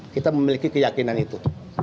kita memiliki keyakinan itu